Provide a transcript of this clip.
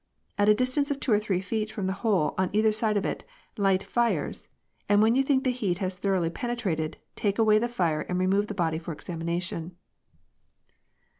At a distance of two or three feet from the hole on either side of it light fires, and when you think the heat has thoroughly penetrated, take away the fire and remove the body for examination."